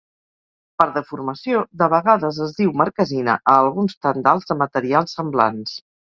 Per deformació, de vegades es diu marquesina a alguns tendals de materials semblants.